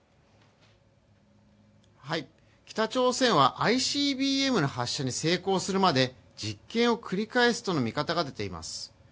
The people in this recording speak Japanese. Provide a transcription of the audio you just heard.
北朝鮮はＩＣＢＭの発射に成功するまで、実験を繰り返すとの見方が出ています。